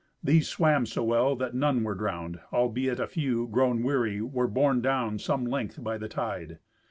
These swam so well that none were drowned, albeit a few, grown weary, were borne down some length by the tide.